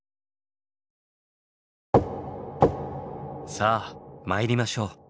さあ参りましょう。